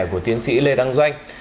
của tiến sĩ lê đăng doanh